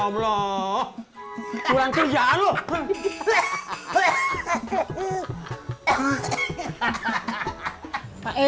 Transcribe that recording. menjebak di sini